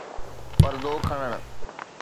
پردو کڻڻ